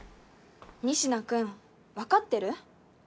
仁科君わかってる？